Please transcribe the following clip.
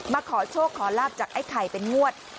ขอโชคขอลาบจากไอ้ไข่เป็นงวด